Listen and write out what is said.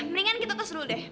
mendingan kita terus dulu deh